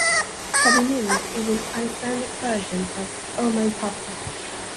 "Pabbi minn" is an Icelandic version of "O Mein Papa".